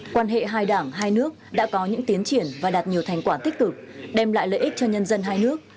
quan hệ hai đảng hai nước đã có những tiến triển và đạt nhiều thành quả tích cực đem lại lợi ích cho nhân dân hai nước